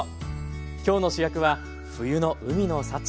今日の主役は冬の海の幸。